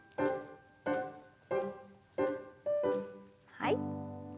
はい。